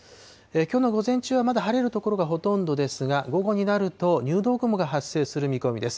きょうの午前中はまだ晴れる所がほとんどですが、午後になると、入道雲が発生する見込みです。